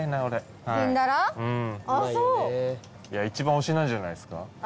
一番推しなんじゃないですか。